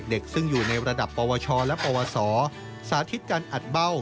เด็กซึ่งอยู่ในระดับปวชและปวสอสาธิตการอัดเบ้า